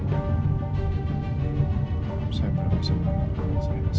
kayaknya kita mencar aja deh